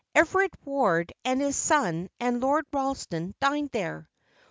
Everard Ward and his son and Lord Ralston dined there.